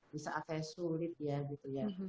bisa atas sulit ya gitu ya